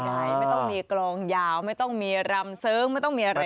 ไม่ต้องมีกลองยาวไม่ต้องมีรำเสริงไม่ต้องมีอะไรทั้งนั้น